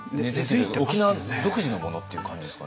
沖縄独自のものっていう感じですかね。